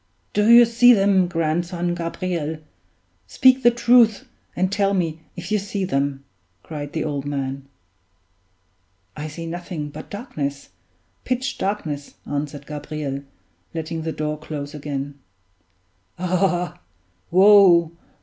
"Do you see them, grandson Gabriel? Speak the truth, and tell me if you see them," cried the old man. "I see nothing but darkness pitch darkness," answered Gabriel, letting the door close again. "Ah! woe!